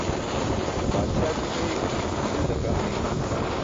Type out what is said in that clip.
Baadsa joṭ eeyc, sinda kam eeyc.